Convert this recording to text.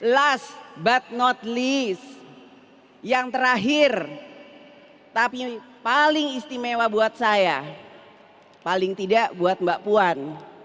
last but not least yang terakhir tapi paling istimewa buat saya paling tidak buat mbak puan